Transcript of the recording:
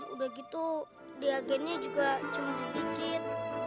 udah gitu diagennya juga cuma sedikit